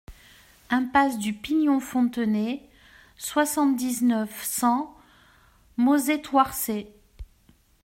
Impasse du Pignon -Fontenay, soixante-dix-neuf, cent Mauzé-Thouarsais